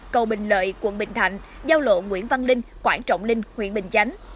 cầu bình lợi quận bình thạnh giao lộ nguyễn văn linh quảng trọng linh huyện bình chánh